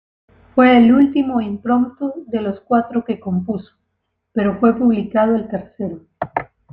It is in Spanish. Fue el último impromptu de los cuatro que compuso, pero fue publicado el tercero.